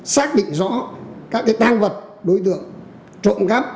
xác định rõ các tăng vật đối tượng trộm cắp